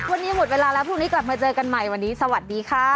วันนี้หมดเวลาแล้วพรุ่งนี้กลับมาเจอกันใหม่วันนี้สวัสดีค่ะ